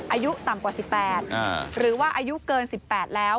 อายุต่ำกว่า๑๘หรือว่าอายุเกิน๑๘แล้ว